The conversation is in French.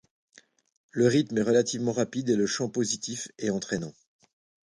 Le rythme est relativement rapide et le chant positif et entraînant.